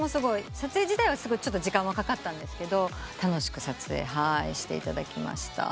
撮影自体は時間かかったんですけど楽しく撮影していただきました。